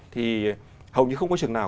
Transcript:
thì hầu như không có trường nào